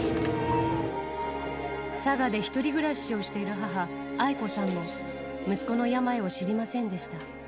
佐賀で１人暮らしをしている母、愛子さんも、息子の病を知りませんでした。